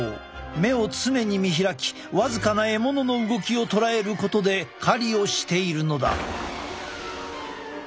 目を常に見開き僅かな獲物の動きを捉えることで狩りをしているのだ。